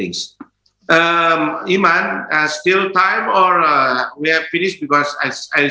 iman masih ada waktu atau kita sudah selesai